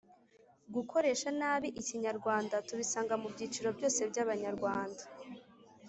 gukoresha nabi ikinyarwanda tubisanga mu byiciro byose by’abanyarwanda,